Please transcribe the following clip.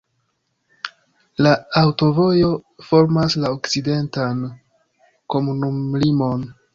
La aŭtovojo formas la okcidentan komunumlimon.